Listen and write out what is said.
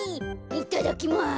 いただきます。